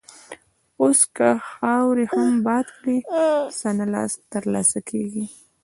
اوس که خاورې هم باد کړې، څه نه تر لاسه کېږي.